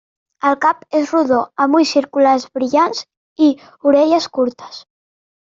El cap és rodó, amb ulls circulars brillants i orelles curtes.